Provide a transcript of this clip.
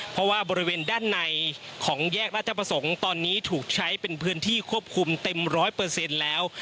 เพราะว่าบริเวณด้านในของแยกราชประสงค์ตอนนี้ถูกใช้เป็นพื้นที่ควบคุมเต็มร้อยเปอร์เซ็นต์แล้ว